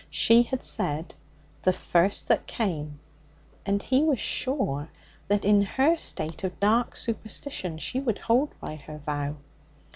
She had said, 'The first that came,' and he was sure that in her state of dark superstition she would hold by her vow.